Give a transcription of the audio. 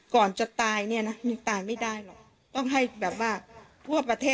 ก่อนจะตายเนี่ยนะยังตายไม่ได้หรอกต้องให้แบบว่าทั่วประเทศ